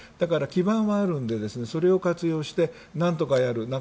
基盤はあるのでそれを活用して何とかやる。